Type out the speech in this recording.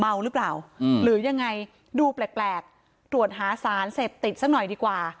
เมาหรือเปล่าหรือยังไงดูแปลกตรวจหาสารเสพติดสักหน่อยดีกว่า